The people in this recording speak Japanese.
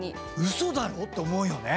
嘘だろ⁉って思うよね。